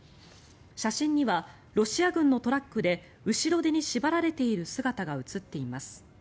写真にはロシア軍のトラックで後ろ手に縛られている姿が写っています。